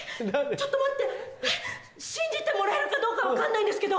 ちょっと待ってえっ⁉信じてもらえるかどうか分かんないんですけど。